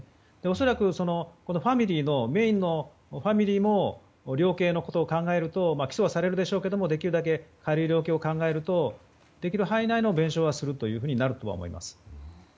恐らくファミリーも量刑のことを考えると起訴はされるでしょうけどできるだけ軽い量刑を考えると、できる範囲内の弁償をすることになると思います。